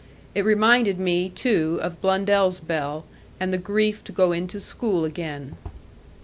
It reminded me, too, of Blundell's bell, and the grief to go into school again.